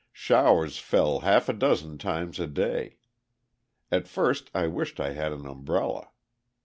Showers fell half a dozen times a day. At first I wished I had an umbrella.